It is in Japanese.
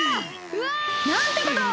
うわ！なんてことを！